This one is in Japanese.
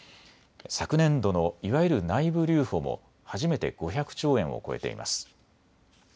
昨年度のいわゆる内部留保も初めて５００兆円を超えています。